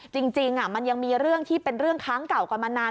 จริงมันยังมีเรื่องที่เป็นเรื่องค้างเก่ากันมานาน